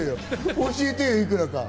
教えてよ、いくらか。